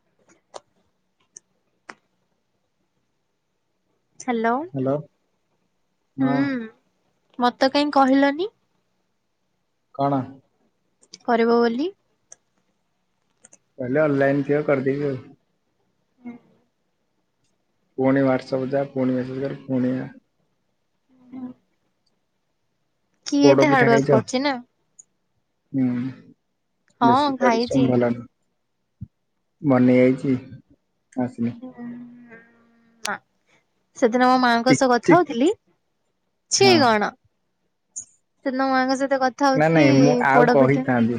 [inaudible] Hello hello ହଁ ହୁଁ ମତ୍ ତ କାଇଁ କହିଲନି। କଣ? କରିବ ବୋଲି। କହିଲେ ଅନଲାଇନ ଥିବ କରିଦେବି ଆଉ। ହୁଁ। ଫୁଣି ହ୍ୱାଟସପକୁ ଯା ଫୁଣି ମେସେଜ କରି ଫୁଣି କିଏ ପୋଡ ଏତେ ପିଠା ହାର୍ଡ ଖାଇଛ ୱାର୍କ କରଚି ନା। ହୁଁ ବେଶୀ ହଁ ଖାଇଛି। ପରିଶ୍ରମ ଭଲ ନୁହେଁ। ବନେଇ ଆଇଚି ଆସିନି। ଉଁ ନା। ସେଦିନ ମୋ ମାଆଙ୍କ ଚିକ୍ ସହ କଥା ଚିକ୍ ହୋଉଥିଲି ଛି ହଁ କଣ? ସେଦିନ ମୋ ମାଆଙ୍କ ସହିତ କଥା ନା ହୋଉଥିଲି ନାଇଁ ମୁଁ ଆଉ ପୋଡ ପିଠା କହିଥାନ୍ତି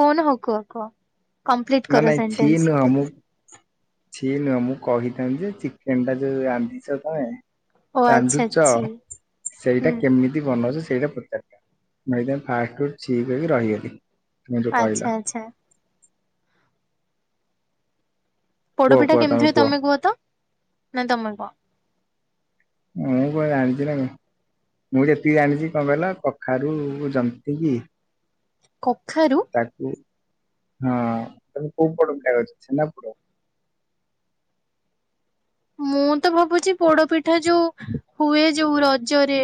କୋହୁନ ହୋଉ କୁହ କୁହ କମ୍ପ୍ଲିଟ୍ ନା କର ନାଇଁ ଛି ସେଣ୍ଟେନସ୍। ନୁହଁ ମୁଁ ଛି ନୁହଁ ମୁଁ କହିଥାନ୍ତି ଯେ ଚିକେନଟା ଯୋଉ ରାନ୍ଧିଛ ତମେ ଓ ଆଚ୍ଛା ରାନ୍ଧୁଚ ଛି ସେଇଟା ହୁଁ। କେମିତି ବନଉଚ ସେ ସେଇଟା ପଚାରିଥା ମୁଁ ସେଇଥିପାଇଁ ଫାଷ୍ଟରୁ ଛି କହିକି ରହିଗଲି। ତମେ ଯୋଉ କହିଲ ଆଛା ଆଛା। ପୋଡପିଠା କେମତି ହୁଏ ତମେ କୁହ ତ ନା ତମେ କୁହ। ମୁଁ କଣ ଜାଣିଚି ନା କଣ। ମୁଁ ଯେତିକି ଜାଣିଚି କଣ କହିଲ କଖାରୁକୁ ଜନ୍ତିକି କଖାରୁ? ତାକୁ ହଁ ତମେ କୋଉ ପୋଡ଼ ପିଠା କରିଛ ଛେନାପୋଡ଼? ମୁଁ ତ ଭାବୁଚି ପୋଡପିଠା ଯୋଉ ହୁଏ ଯୋଉ ରଜରେ।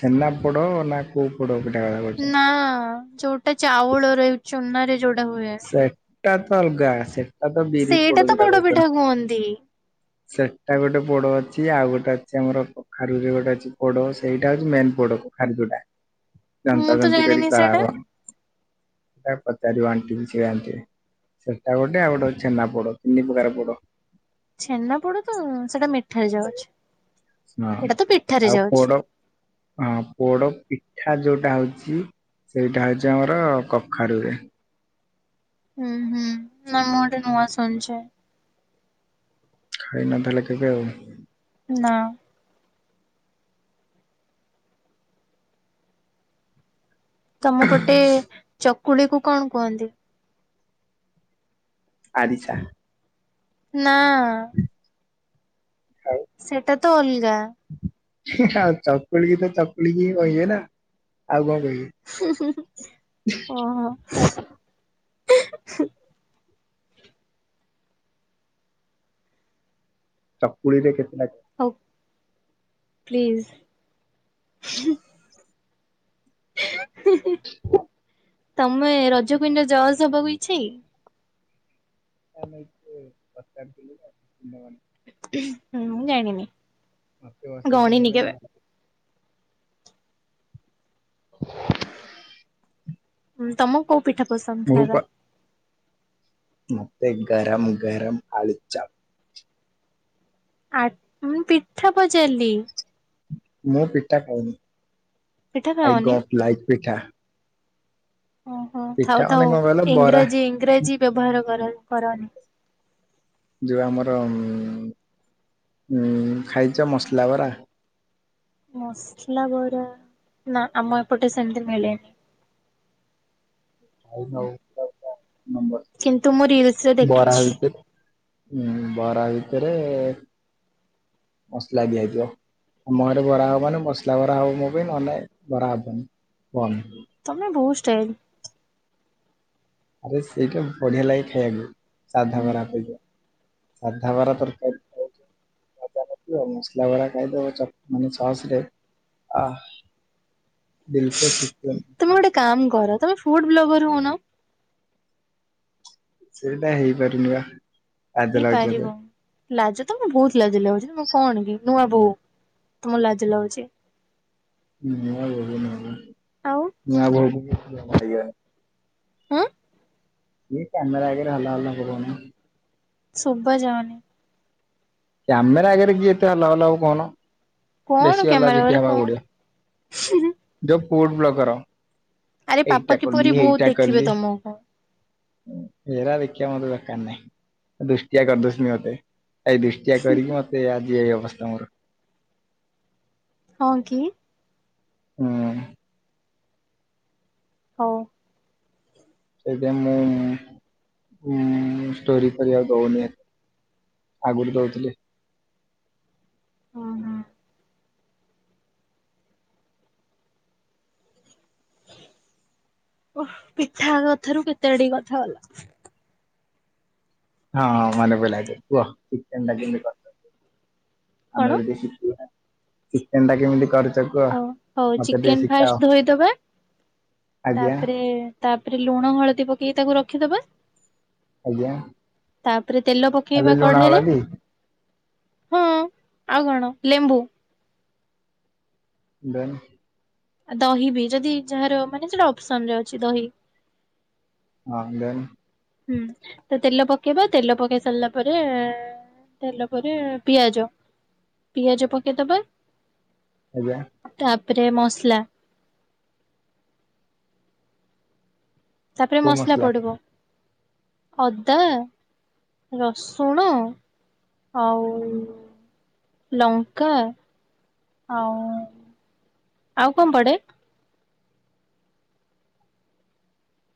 ଛେନା ପୋଡ଼ ନା କୋଉ ପୋଡ଼? ନା ଯୋଉଟା ଚାଉଳରେ ଚୁନାରେ ଯୋଉଟା ହୁଏ। ହେଟା ତ ଅଲଗା ସେଟା ତ ବିରହି ପୋଡ଼ ସେଇଟା ତ ଯୋଉଟା ପୋଡ କୋହୁଚ। ପିଠା କୁହନ୍ତି। ସେଟା ଗୋଟେ ପୋଡ଼ ଅଛି ଆଉ ଗୋଟେ ଅଛି ଆମର କଖାରୁରେ ଗୋଟେ ଅଛି ପୋଡ ସେଇଟା ହୋଉଚି ମେନ୍ ପୋଡ଼। କଖାରୁ ଯୋଉଟା ଜନ୍ତା ମୁଁ ତ ଜନ୍ତି କରିକି ଜାଣିନି କରା ସେଇଟା ହବ। ଏଟା ପଚାରିବ ଆଣ୍ଟିଙ୍କୁ। ସିଏ ଆଣ୍ଟି ସେଟା ଗୋଟେ ଆଉ ଗୋଟେ ହୋଉଚି ଛେନା ପୋଡ ତିନି ପ୍ରକାର ପୋଡ଼। ଛେନା ପୋଡ ତ ସେଟା ମିଠାରେ ଯାଉଚି। ହଁ ଆଉ ପୋଡ଼ ହଁ ପୋଡ଼ ପି ପିଠା ଯୋଉଟା ହୋଉଚି ସେଇଟା ହୋଉଚି ଆମର କଖାରୁୁରେ। ହୁଁ ହୁଁ ନା ମୁଁ ଏଟା ନୂଆ ଶୁଣଛି। ଖାଇନ ତାହେଲେ କେବେ ଆଉ। ନା। ତମ ପଟେ ଚକୁଳିକୁ କଣ କୁହନ୍ତି? ଆରିସା। ନା ସେଟା ତ ଅଲଗା। ହିଁ ହିଁ ଆଉ ଚକୁଳିକି ତ ଚକୁଳିିକି କହିବେ ନା ଆଉ କଣ କହିବେ ହୁଁ ହୁଁ ହୁଁ ଓହୋ ଉ ହୁଁ। ଚକୁଳିରେ କେତେଟା ହୋଉ ପ୍ଲିଜ୍ ହୁଁ। ହୁଁ ହୁଁ ତମେ ରଜକୁୁଇନରେ ଜଜ୍ ହବାକୁ ଇଚ୍ଛା କି? ଆ ନାଇ ସେ ପଚାରିଥିଲେ ଯେ ସାଙ୍ଗମାନେ। ହୁଁ ମୁଁ ଜାଣିନି। ମତେ ବସେଇ ଥିଲେ ଗଣିନି ହେଲେ କେବେ ମୁଁ ତମକୁ କୋଉଁ ପିଠା ପସନ୍ଦ ମୁଁ ପ ଖାଇବା? ମତେ ଗରମ ଗରମ ଆଳୁଚପ। ଆଁ ମୁଁ ପିଠା ପଚାରିଲି। ମୁଁ ପିଠା ଖାଉନି ପିଠା ଆଇ ଖାଅନି? ଡୋଣ୍ଟ ଲାଇକ ପିଠା। ଓହୋ ଥାଉ ପିଠା ମାନେ ଥାଉ କଣ କହିଲ ବରା ଇଂରାଜୀ ଇଂରାଜୀ ବ୍ୟବହାର କର କରନି। ଯୋଉଁ ଆମର ହୁଁ ଖାଇଚ ମସଲା ବରା। ମସଲା ବରା ନା ଆମ ଏପଟେ ସେତି ମିଳେଣି। [inaudible] କିନ୍ତୁ ମୁଁ ରିଲସ ରେ ବରା ଦେଖିଚି। ହଉଛି ହୁଁ ବରା ଭିତରେ ମସଲା ଦିଆ ହେଇଥିବ। ଆମ ଘରେ ବରା ହବ ମନେ ମସଲା ବରା ହବ ମୋ ପାଇଁ ନହନେ ବରା ହବନି ବନ୍ଦ। ତମେ ବହୁ ଷ୍ଟାଇଲ। ଆରେ ସେଇଟା ବଢିଆ ଲାଗେ ଖାଇବାକୁ ସାଧା ହୁଁ। ବରା ଅପେକ୍ଷା। ସାଧାବରା ତରକାରୀ ମଜା ନଥିବ ମସଲା ବରା ଖାଇଦବ ମାନେ ସସ ରେ ଆଁ ତମେ ଗୋଟେ କାମ କର ତମେ ଫୁଡ ବ୍ଲଗର ହଉନ। ସେଇଟା ହେଇପାରୁନି ପା। ହେଇ ପାରିବ ଲାଜ ତମକୁ ବହୁତ ଲାଜ ଲାଗୁଚି ତମେ କଣ କି। ନୂଆ ବୋହୁ ତୁମକୁ ଲାଜ ଲାଗୁଚି। ନୂଆବୋହୂ ଆଉ ନୂଆବୋହୂ [unintelligible] ଆଁ। କ୍ୟାମେରା ଆଗରେ ହଲ ହଲ ହେବ କହୁନ। ଶୁଭା ଯାଉନି। କ୍ୟାମେରା ଆଗରେ କିଏ ଏତେ ହଲ ହଲ ହବ କୋହୁନ। କଣ ବେଶୀ କ୍ୟାମେରା ଅଲାଜୁକ ଘରେ ହବା କୁ କଣ ପଡିବ ଯୋଉଁ ଫୁଡ ବ୍ଲଗର। ଆରେ ପାପା ଏଇଟା କିପରି କଲି ବୋଉ ହେଇଟା ଦେଖିବେ କଲି ତମକୁ। ହେରା ଦେଖିବା ମତେ ଦରକାର ନାଇଁ ଦୁଷ୍ଟିିଆ କରିଦୋଉଚନ୍ତି ମତେ। ଏଇ ଦୃଷ୍ଟିଆ କରିକି ମତେ ଆଜି ଏଇ ଅବସ୍ଥା ମୋର। ହଁ କି? ହୁଁ। ହଉ। ସେଥିପାଇଁ ମୁଁ ଷ୍ଟୋରୀ କରିବାକୁ ଦୋଉନି ଏ ଆଗରୁ ଦଉଥିଲି। ଉଁ ହୁଁ। ଓ ପିଠା କଥାରୁ କେତେ ଆଡେକି କଥା ଗଲା। ହଁ ମାନେ ପଇଲା ଏବେ କୁହ ଚିକେନ ଟା କେମତି କରୁଚ? ଆମେ କଣ ବି ଟିକେ ଶିଖିବୁନା ଚିକେନ ଟା କେମତି କରୁ ହ ହଉ ଚିକେନ ଫାଷ୍ଟ ଧୋଇଦବା। ଆଜ୍ଞା ତାପରେ ତାପରେ ଲୁଣ ହଳଦୀ ପକେଇକି ତାକୁ ରଖିଦବା ଆଜ୍ଞା। ତାପରେ ତେଲ ଖାଲି ପକେଇବା ଲୁଣ କଢେଇ ରେ। ହଳଦୀ ହଁ ଆଉ କଣ ଲେମ୍ବୁ। ଦେନ। ଆଉ ଦହି ବି ଯଦି ଯାହାର ମାନେ ସେଟା ଅପସନ ରେ ଅଛି ଦହି। ହଁ ଦେନ୍। ହୁଁ ତ ତେଲ ପକେଇବା ତେଲ ପକେଇ ସାରିଲା ପରେ ତେଲ ପରେ ପିଆଜ ପିଆଜ ପକେଇଦବା। ଆଜ୍ଞା ତାପରେ ମସଲା ତାପରେ ମସଲା ପଡିବ ଅଦା ରସୁଣ ଆଉ ଲଙ୍କା ଆଉ ଆଉ କଣ ପଡେ?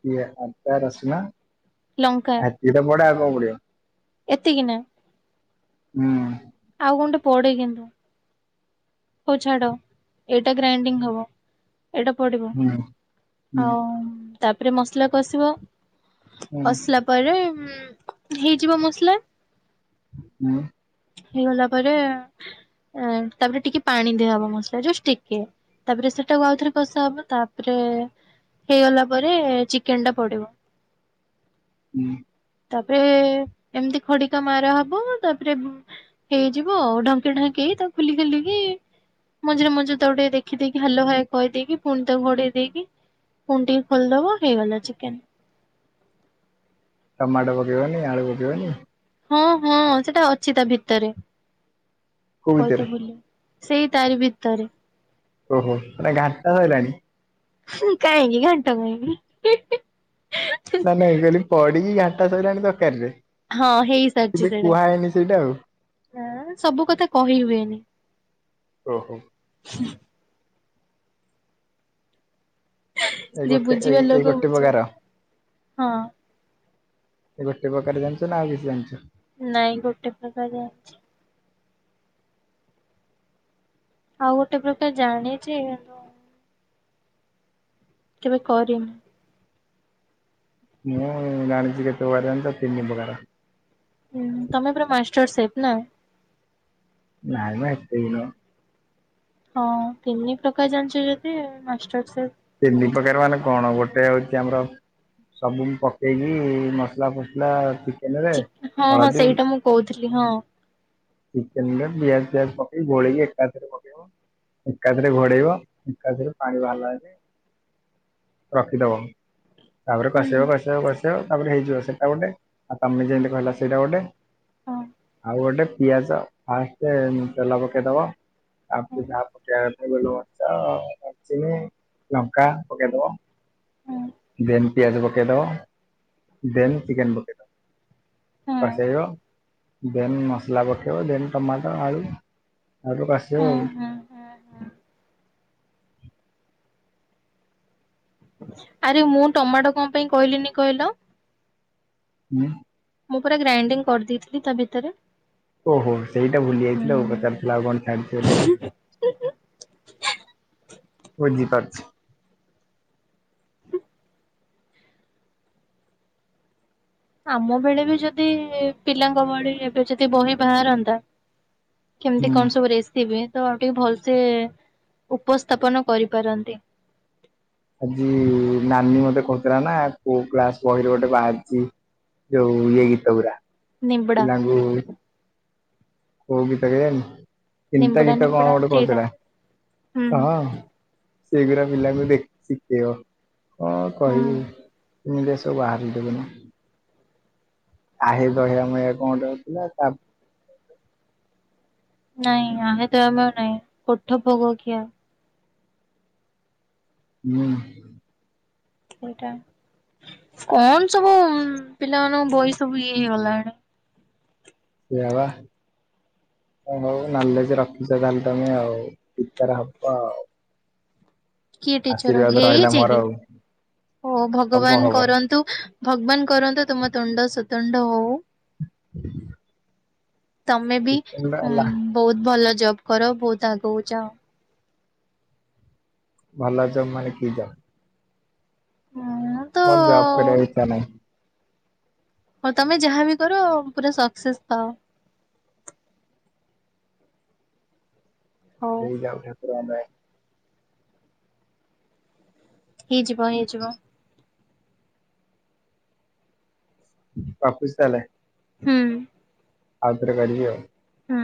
ପିଆ ଅଦା ରସୁଣ ଲଙ୍କା ଏତିକି ତ ପଡେ ଆଉ କଣ ପଡିବ? ଏତିକି ନା ହୁଁ ଆଉ କଣ ଟେ ପଡେ କିନ୍ତୁ। ହଉ ଛାଡ ଏଇଟା ଗ୍ରାଇଡିଙ୍ଗ ହବ। ଏଇଟା ପଡିବ ହୁଁ ହୁଁ ଆଉ ତାପରେ ମସଲା କଷିବ। ହୁଁ ମସଲା ପରେ ଉଁ ହେଇଯିବ ମସଲା। ହୁଁ ହେଇଗଲା ପରେ ଏ ତାପରେ ଟିକେ ପାଣି ଦିଆହବ ମସଲା ଯୋଷ୍ଟ୍ ଟିକେ ତାପରେ ସେଟାକୁ ଆଉଥରେ କଷା ହବ ତାପରେ ହେଇଗଲା ପରେ ଚିକେନ ଟା ପଡିବ। ହୁଁ ତାପରେ ଏମିତି ଖଡିକା ମାରା ହବ ତାପରେ ହେଇଯିବ ଆଉ ଢଙ୍କି ଢାଙ୍କି ତାକୁ ଖୋଲି ଖାଲିକି ମଝିରେ ମଝିରେ ତାକୁ ଟିକେ ଦେଖିଦେଇକି ହାଲୋ ହାଏ କହିଦେଇକି ପୁଣି ତାକୁ ଘୋଡେଇ ଦେଇକି ଫୁଣି ଟିକେ ଖୋଲିଦବ ହେଇଗଲା ଚିକେନ୍। ଟମାଟୋ ପକେଇିବନି ଆଳୁ ପକେଇବନି ହଁ ହଁ ସେଟା ଅଛି ତା ଭିତରେ କୋଉଥିରେ? କହିତେ ଭୁଲି ସେଇ ତାରି ଭିତରେ ଓହୋ ଏ ଘାଣ୍ଟ ସଇଲାଣି ହୁଁ କାହିଁକି ଘାଣ୍ଟ କାହିଁକି ତହେନେ ମୁଁ କହିଲି ପଡିକି ଘାଣ୍ଟା ସରିଲାଣି ତରକାରିରେ ଏବେ କୁହା ହେଇନି ସେଇଟା ଆଉ ଏ ସବୁ କଥା କହି ହୁଏନି ଓହୋ ଏଇ ଯିଏ ଗୋଟେ ବୁଝିବା ଏଇ ଏଇ ଲୋକ ଗୋଟେ ବୁଝିବ ପକାର ହଁ ଏ ଗୋଟେ ପ୍ରକାର ଯାନିଛ ନା ଆଉ କି ଜାଣିଛ ନାଇଁ ଗୋଟେ ପ୍ରକାର ଜାଣିଚି। ଆଉ ଗୋଟେ ପ୍ରକାର ଜାଣିଛିୁ ହେନ୍ କେବେ କରିନି ମୁଁ ଜାଣିଚି କେତ ପ୍ରକାର ଜାଣିଚ ତିନି ପକାର ହୁଁ ତମେ ପୁରା ମାଷ୍ଟର ସେଫ୍ ନା ନାଇମ ଏତେ ବି ନୁହଁ। ହଁ ତିନି ପ୍ରକାର ଜାଣିଛ ଯଦି ମାଷ୍ଟରସେଫ୍ ତିନିପ୍ରକାର ମାନେ କଣ ଗୋଟେ ହଉଚି ଆମର ସବୁ ମୁଁ ପକେଇକି ମସଲା ଫସଲା ରେ ଚିକ୍ ହଁ ହଁ ସେଇଟା ମୁଁ କହୁଥିଲି ହଁ ଚିକେନ୍ ରେ ପିଆଜ ଫିଆଜ ପକେଇକି ଗୋଳେଇକି ଏକାଥରେ ପକେଇବ। ଏକାଥରେ ଘୋଡେଇବ ଏକାଥରେ ପାଣିବାହାରିଲା ଯାଙ୍ଗେ ରଖିଦବ ତାପରେ କସିବ ହୁଁ। କସିବ କସିବ ତାପରେ ହେଇଯିବ ସେଟା ଗୋଟେ ତମେ ଯେମିତି କହିଲ ସେଇଟା ଗୋଟେ ଆଉ ଗୋଟେ ପିଆଜ ଫାଷ୍ଟେ ଉଁ ତେଲ ପକେଇଦବ ତାପରେ ଯାହା ପକେଇବା କଥା ଗୋଲମରିଚ, ଡ଼ାଲଚୀନ୍, ଲଙ୍କା ପକେଇଦବ ଦେନ୍ ପିଆଜ ପକେଦବ ଦେନ୍ ଚିକେନ ପକେଦବ। ପାସ ହେବ ଦେନ୍ ନ ମସଲା ପକେଇବ ଦେନ ଟମାଟର ଆଳୁ ଆଉଟିକେ କଷିବ ଆଉ। ଆରେ ମୁଁ ଟମାଟୋ କଣ ପାଇଁ କହିଲିନି କହିଲ? ହୁଁ। ମୁଁ ପୁରା ଗ୍ରାଇଣ୍ଡିଂ କରିଦେଇଥିଲି ତା ଭିତରେ। ଓହୋ ସେଇଟା ଭୁଲି ହୁଁ ଯାଇଥିଲ ଆଉ ପଚାରୁଥିଲା ଆଉ କଣ ଛାଡିଛି ବୋଲି ଆଉ। ବୁଝିପାରୁଛି। ଆମ ବେଳେ ବି ଯଦି ପିଲାଙ୍କ ଭଳି ଏବେ ଯଦି ବହି ବାହାରନ୍ତା। କେମିତି ହୁଁ। କଣ ସବୁ ରେସିପି ହୁଏ। ତ ଆଉ ଟିକେ ଭଲସେ ଉପସ୍ଥାପନ କରିପାରନ୍ତି। ଆଜି ନାନୀ ମତେ କହୁଥିଲା ନା କୋଉ କ୍ଲାସ ବହିରେ ଗୋଟେ ବାହାରିଛି। ଯଉ ଇଏ ଗୀତ ଗୁରା ନିବିଡା। ପିଲାଙ୍କୁ କଉ ଗୀତ କେଜାଣି। ତିନିଟା ନିମ୍ବୁଡା ଗୀତ କଣ ନିମ୍ବୁଡା ଗୋଟେ ସେଇଟା। କହୁଥିଲା ହୁଁ। ହଁ। ସେଗୁରା ପିଲାକୁ ଦେଖି ଶିଖେଇବ କଁ ହୁଁ କହିବୁ। ଏମିତିଆ ସବୁ ବାହାରକୁ ଦେବେନି। ଆହେ ଦୟାମୟ କଣ ଗୋଟେ ଆଉ ଥିଲା ତା ନାଇଁ ଆମେ ତମେ ନାହିଁ କୋଠ ଭୋଗ ଖିଆ। ହୁଁ। ସେଇଟା। କଣ ସବୁ ପିଲାମାନଙ୍କ ବହି ସବୁ ଇଏ ହେଇଗଲାଣି। ସେୟା ବା। ହଁ ହଉ ନଲେଜ ରଖିଛ ତାହେଲେ ତମେ ଆଉ ଟିଚର ହବ ଆଉ। କିଏ ଟିଚର ଆଶୀର୍ବାଦ ରହିଲା ହେଇଛି ମୋର କି? ଆଉ ଓ ହବ ଭଗବାନ ହବ କରନ୍ତୁ ଭଗବାନ କରନ୍ତୁ ତୁମ ତୁଣ୍ଡ ସୁତୁଣ୍ଡ ହଉ। ତମେ ବି ଉଁ ହେଲା ବହୁତ ଭଲ ଜବ କର ବହୁତ ଆଗକୁ ଯାଅ। ଭଲ ଜବ ମାନେ କି ଜବ? ହୁଁ ହୁଁ। ମୋର ଜବ କରିବାର ଇଚ୍ଛା ନାହିଁ। ହଁ ତମେ ଯାହାବି କର ପୁରା ସକ୍ସେସ୍ ପାଅ। ହଉ ହେଇ ଯାଉ ଠାକୁର ଙ୍କ ଦୟା। ହେଇଯିବ ହେଇଯିବ। ରଖୁଚି ତାହେଲେ? ହୁଁ। ଆଉ ଥରେ କରିବି ଆଉ। ହୁଁ।